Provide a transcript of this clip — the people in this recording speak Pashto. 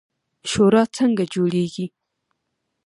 شورا څنګه جوړیږي؟